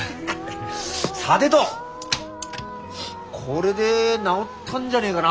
さてとこれで直ったんじゃねえがな？